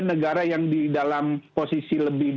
negara yang di dalam posisi lebih